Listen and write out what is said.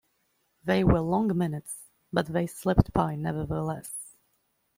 They were long minutes, but they slipped by nevertheless.